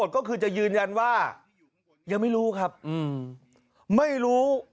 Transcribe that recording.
หาวหาวหาวหาวหาวหาวหาวหาว